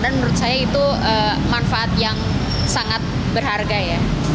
dan menurut saya itu manfaat yang sangat berharga ya